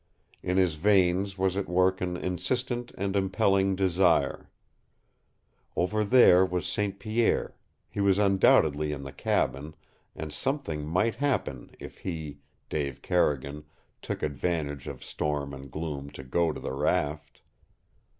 In his veins was at work an insistent and impelling desire. Over there was St. Pierre, he was undoubtedly in the cabin, and something might happen if he, Dave Carrigan, took advantage of storm and gloom to go to the raft.